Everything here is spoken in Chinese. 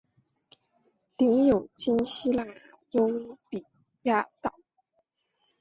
领有今希腊优卑亚岛。